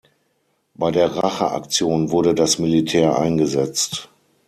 Bei der Racheaktion wurde das Militär eingesetzt.